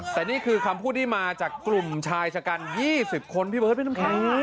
แต่นี่คือคำพูดที่มาจากกลุ่มชายชะกัน๒๐คนพี่เบิร์ดพี่น้ำแข็ง